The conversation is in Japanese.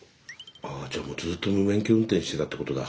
あじゃあもうずっと無免許運転してたってことだ。